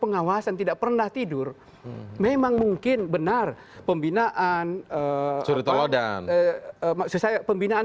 pengawasan tidak pernah tidur memang mungkin benar pembinaan serta ada maksud saya pembinaan